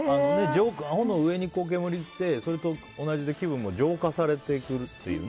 炎、上に煙がいってそれと同じで気分が浄化されていくっていう。